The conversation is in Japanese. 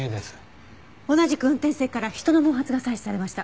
同じく運転席から人の毛髪が採取されました。